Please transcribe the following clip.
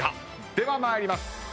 では参ります。